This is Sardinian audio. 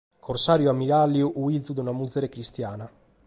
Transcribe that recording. Corsàriu e ammiràlliu, fiat fìgiu de una mugere cristiana.